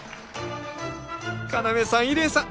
要さん伊礼さん